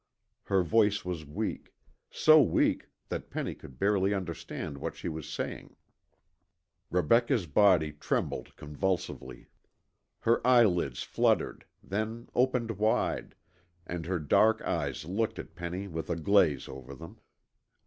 Her voice was weak, so weak that Penny could barely understand what she was saying. Rebecca's body trembled convulsively. Her eyelids fluttered, then opened wide, and her dark eyes looked at Penny with a glaze over them.